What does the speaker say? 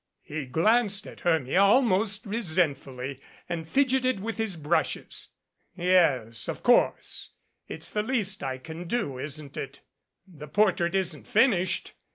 He glanced at Hermia almost resentfully, and fidgeted with his brushes. "Yes of course. It's the least I can do isn't it? The portrait isn't finished.